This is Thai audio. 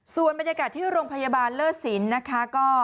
ส่วนบรรยากาศที่โรงพยาบาลเลิศสินนะคะ